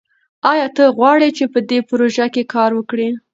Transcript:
ایا ته غواړې چې په دې پروژه کې کار وکړې؟